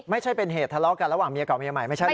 ไม่ใช่เป็นเหตุทะเลาะกันระหว่างเมียเก่าเมียใหม่ไม่ใช่เหรอ